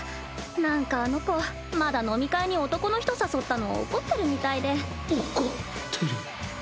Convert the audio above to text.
なんかあの子まだ飲み会に男の人誘ったの怒ってるみたいで。